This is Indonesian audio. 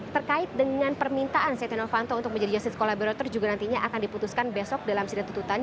terkait dengan permintaan setia novanto untuk menjadi justice collaborator juga nantinya akan diputuskan besok dalam sidang tuntutan